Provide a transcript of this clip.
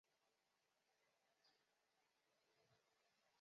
中共第十九届中央委员。